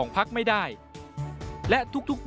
๕เงินจากการรับบุคคลหรือนิติบุคคล